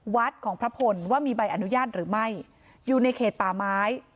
วัดของพระพลว่ามีใบอนุญาตหรือไม่อยู่ในเขตป่าไม้